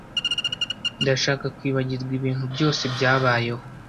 Ndashaka kwibagirwa ibintu byose byabayeho.